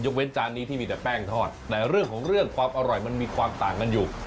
เว้นจานนี้ที่มีแต่แป้งทอดแต่เรื่องของเรื่องความอร่อยมันมีความต่างกันอยู่